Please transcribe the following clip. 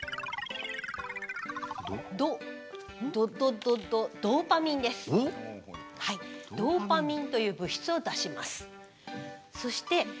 ドーパミンという物質を出します。